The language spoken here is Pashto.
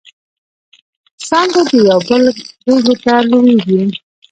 څانګې د یوبل غیږو ته لویږي